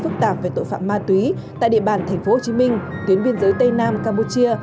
phức tạp về tội phạm ma túy tại địa bàn tp hcm tuyến biên giới tây nam campuchia